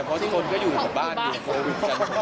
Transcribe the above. เพราะที่คนก็อยู่กับบ้านโบวิทย์กัน